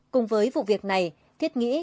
cùng với vụ việc này thiết nghĩ